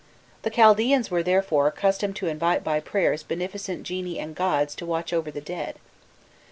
The Chaldaeans were, therefore, accustomed to invite by prayers beneficent genii and gods to watch over the dead.